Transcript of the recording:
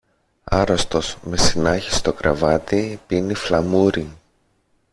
Άρρωστος με συνάχι στο κρεβάτι, πίνει φλαμούρι